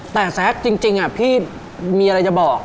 แต่แซคจริงพี่มีอะไรจะบอก